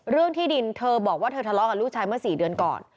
เรื่องที่ดินเธอบอกว่าเธอทะเลาะกับลูกชายเมื่อ๔เดือนก่อน